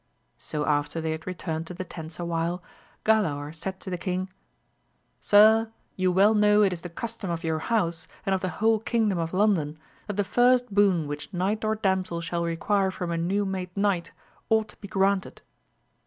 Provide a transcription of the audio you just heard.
So after they had returned to the tents awhile, Galaor said to the king. Sir, you well know it is the custom of your house, and of the whole kingdom of London, that the first boon which knight or damsel shall require from a new made knight, ought to be granted.